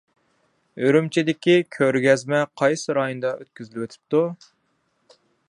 ئۈرۈمچىدىكى كۆرگەزمە قايسى رايوندا ئۆتكۈزۈلۈۋېتىپتۇ؟